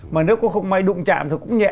mà nếu có không may đụng chạm thôi cũng nhẹ